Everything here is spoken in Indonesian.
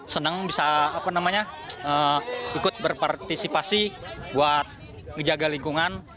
senang bisa ikut berpartisipasi buat ngejaga lingkungan